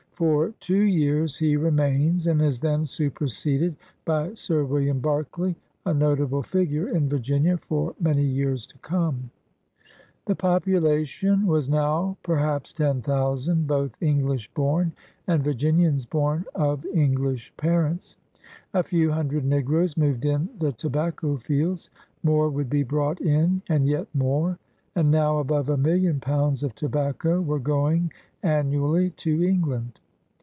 For two years he remains, and is then superseded by Sir William Berkeley, a notable figure in Yir ginia for many years to come. 184 FIONEXRS OF THE OLD SOUTH The population was now perhaps ten thousand, both English bom and Viiginians bom of English parents. A few hundred n^roes moved in the to bacco fields. More would be brought in and yet more. And now above a million pounds of tobacco were going annually to England.